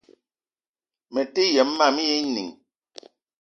Mete yem mam éè inìng